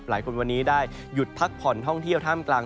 หลายคนวันนี้ได้หยุดพักผ่อนท่องเที่ยวท่ามกลาง